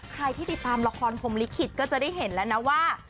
ใครที่ติดตามละครพรมลิขิตก็จะได้เห็นแล้วนะว่า